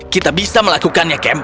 kita bisa melakukannya cam